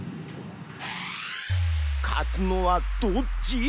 勝つのはどっち！？